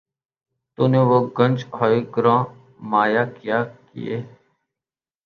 تو نے وہ گنج ہائے گراں مایہ کیا کیے